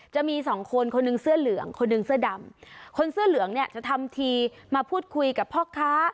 จะมีสองคนคนหนึ่งเสื้อเหลืองคนหนึ่งเสื้อดำคนเสื้อเหลืองเนี่ยจะทำทีมาพูดคุยกับพ่อค้า